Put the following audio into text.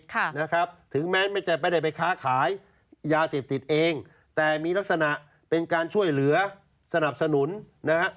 ค่ะนะครับถึงแม้จะไม่ได้ไปค้าขายยาเสพติดเองแต่มีลักษณะเป็นการช่วยเหลือสนับสนุนนะฮะ